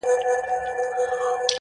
په مجلس کي ږغېدی لکه بلبله-